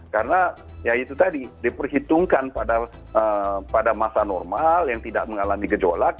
karena ya itu tadi diperhitungkan pada masa normal yang tidak mengalami gejolak